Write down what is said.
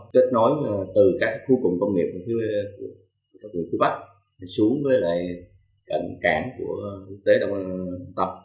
kết nối từ các khu cụm công nghiệp của khu bắc xuống với lại cận cảng của quốc tế đông tập